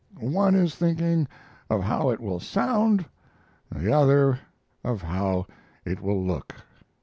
One is thinking of how it will sound, the other of how it will look."